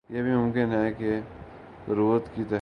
یہ بھی ممکن ہے کہہ ضرورت کے تحت